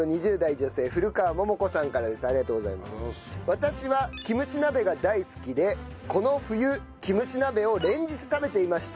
私はキムチ鍋が大好きでこの冬キムチ鍋を連日食べていました。